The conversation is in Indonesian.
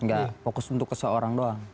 nggak fokus untuk seseorang doang